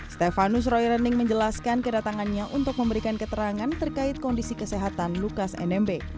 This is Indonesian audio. stefanus roy rening menjelaskan kedatangannya untuk memberikan keterangan terkait kondisi kesehatan lukas nmb